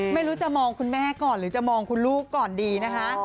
ไม่รู้จะมองคุณแม่ก่อนหรือจะมองคุณลูกก่อนดีนะคะ